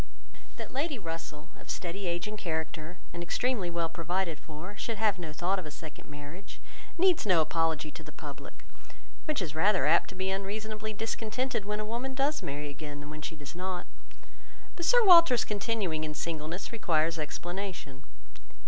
That Lady Russell, of steady age and character, and extremely well provided for, should have no thought of a second marriage, needs no apology to the public, which is rather apt to be unreasonably discontented when a woman does marry again, than when she does not; but Sir Walter's continuing in singleness requires explanation.